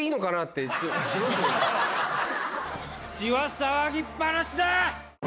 「血は騒ぎっ放しだ」